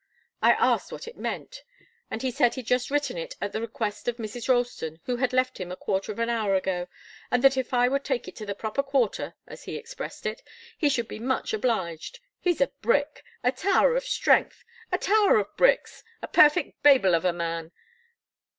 I asked what it meant, and he said he'd just written it at the request of Mrs. Ralston, who had left him a quarter of an hour ago, and that if I would take it to the proper quarter as he expressed it he should be much obliged. He's a brick a tower of strength a tower of bricks a perfect Babel of a man.